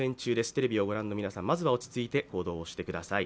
テレビをご覧の皆さん、まずは落ち着いて行動をしてください。